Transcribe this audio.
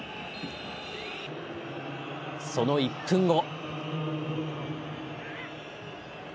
その１分後。